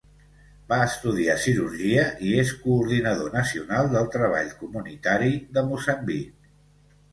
Va estudiar cirurgia i és coordinador nacional del Treball comunitari de Moçambic.